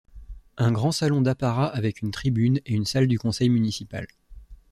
Un grand salon d'apparat avec une tribune et une salle du conseil municipal.